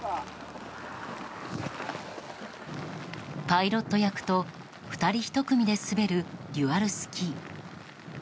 パイロット役と２人１組で滑るデュアルスキー。